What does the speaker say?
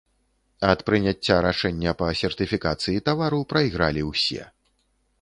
Ад прыняцця рашэння па сертыфікацыі тавару прайгралі ўсе.